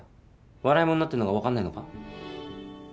笑い者になってるのが分かんないのか？